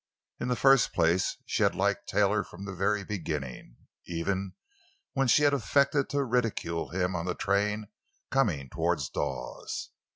In the first place, she had liked Taylor from the very beginning—even when she had affected to ridicule him on the train coming toward Dawes.